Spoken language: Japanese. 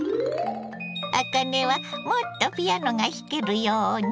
あかねは「もっとピアノがひけるように」。